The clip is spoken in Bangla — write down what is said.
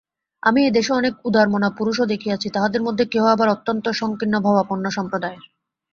আমি এদেশে অনেক উদারমনা পুরুষও দেখিয়াছি, তাঁহাদের মধ্যে কেহ আবার অত্যন্ত সঙ্কীর্ণভাবাপন্য সম্প্রদায়ের।